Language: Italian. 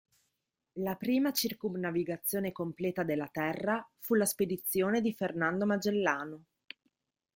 La prima circumnavigazione completa della Terra fu la spedizione di Ferdinando Magellano.